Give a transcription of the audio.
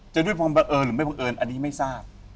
ด้วยความบังเอิญหรือไม่บังเอิญอันนี้ไม่ทราบ